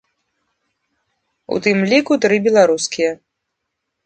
У тым ліку тры беларускія.